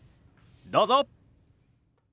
どうぞ！